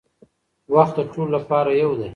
وخت د ټولو لپاره یو دی.